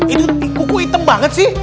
itu kuku hitam banget sih